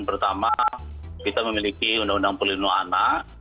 pertama kita memiliki undang undang pelindung anak